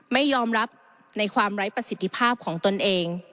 ไม่ยอมรับในความไร้ประสิทธิภาพของตนเอง